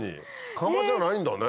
窯じゃないんだね。